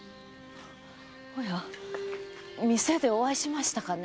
おや店でお会いしましたかね？